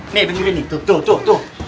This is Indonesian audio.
nih begini nih tuh tuh tuh